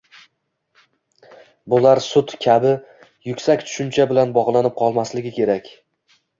– bular «sud» kabi yuksak tushuncha bilan bog‘lanib qolmasligi kerak.